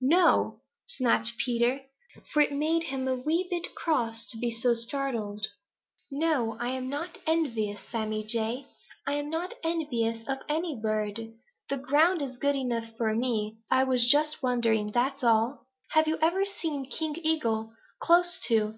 "No!" snapped Peter, for it made him a wee bit cross to be so startled. "No, I'm not envious, Sammy Jay. I'm not envious of any bird. The ground is good enough for me. I was just wondering, that's all." "Have you ever seen King Eagle close to?"